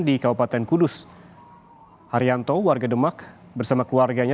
di kabupaten kudus haryanto warga demak bersama keluarganya